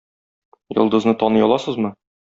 Йолдызны таный аласызмы?